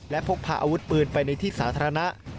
และพกพาอาวุธปืนไปในที่สาธารณะ